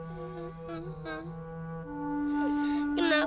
kenapa kita gak boleh nyari